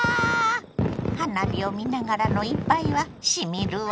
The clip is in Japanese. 花火を見ながらの一杯はしみるわね！